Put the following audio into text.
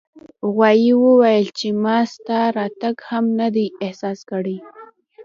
غوایي وویل چې ما ستا راتګ هم نه دی احساس کړی.